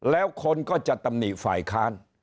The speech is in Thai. แล้วคนก็จะตำหนิฝ่ายค้าน